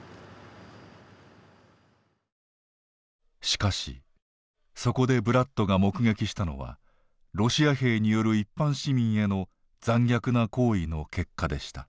しかしそこでブラッドが目撃したのはロシア兵による一般市民への残虐な行為の結果でした。